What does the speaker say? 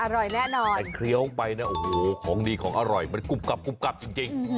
อร่อยแน่นอนแต่เคลี้ยวไปนะของดีของอร่อยมันกุบกับจริง